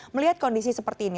melihat kondisi seperti ini